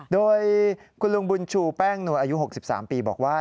โดยคุณลุงบุญชูแป้งนวลอายุ๖๓ปีบอกว่า